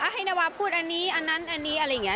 ให้นาวาพูดอันนี้อันนั้นอันนี้อะไรอย่างนี้